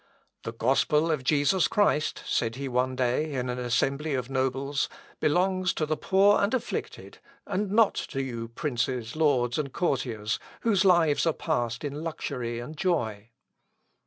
"The gospel of Jesus Christ," said he one day in an assembly of nobles, "belongs to the poor and afflicted, and not to you princes, lords, and courtiers, whose lives are passed in luxury and joy."